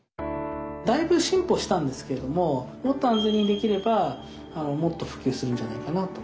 だいぶ進歩したんですけれどももっと安全にできればもっと普及するんじゃないかなと。